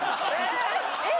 えっ？